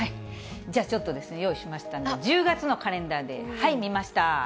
じゃあちょっとですね、用意しましたんで、１０月のカレンダーで見ました。